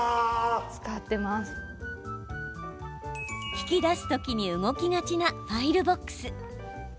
引き出す時に動きがちなファイルボックス。